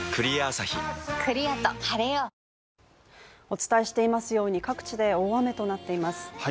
お伝えしていますように各地で大雨となっています。